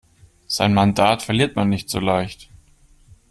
Sein Mandat verliert man nicht so leicht.